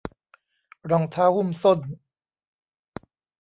รองเท้าหุ้มส้น